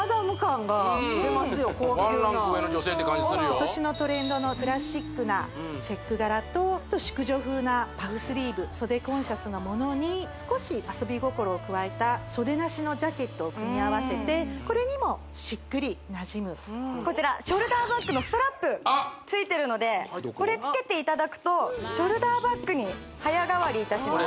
今年のトレンドのクラシックなチェック柄と淑女風なパフスリーブ袖コンシャスなものに少し遊び心を加えた袖なしのジャケットを組み合わせてこれにもしっくりなじむこちらショルダーバッグのストラップついてるのでこれつけていただくとショルダーバッグに早変わりいたします